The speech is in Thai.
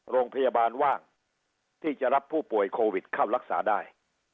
โรงพยาบาลว่างที่จะรับผู้ป่วยโควิดเข้ารักษาได้